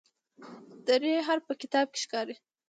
د "ر" حرف په کتاب کې ښکاري.